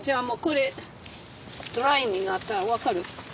もうこれドライになったら分かる。